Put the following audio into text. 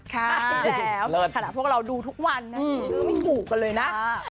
ค่ะได้แล้วขนาดพวกเราดูทุกวันนะไม่ถูกกันเลยนะ